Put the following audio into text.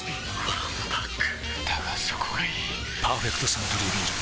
わんぱくだがそこがいい「パーフェクトサントリービール糖質ゼロ」